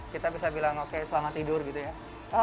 kita bisa bilang oke selamat tidur gitu ya